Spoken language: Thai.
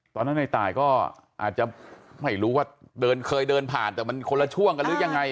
ตอนนั้นในตายก็อาจจะไม่รู้ว่าเคยเดินผ่านแต่มันคนละช่วงกันหรือยังไง